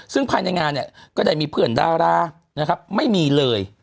ซึ่งภายในงานเนี่ยก็ได้มีเพื่อนดารานะครับไม่มีเลย